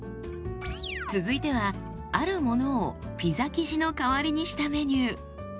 続いてはあるものをピザ生地の代わりにしたメニュー。